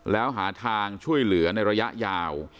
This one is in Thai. แล้วหาทางช่วยเหลือในระยะยาว